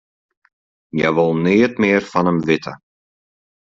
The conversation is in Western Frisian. Hja wol neat mear fan him witte.